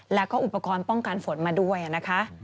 แล้วก็อุปกรณ์ป้องกันฝนมาด้วยนะคะ